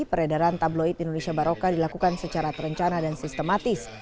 peredaran tabloid indonesia baroka dilakukan secara terencana dan sistematis